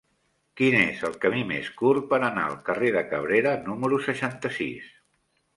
Quin és el camí més curt per anar al carrer de Cabrera número seixanta-sis?